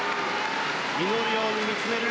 祈るように見つめる。